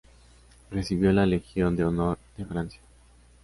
Recibió la Legión de Honor de Francia.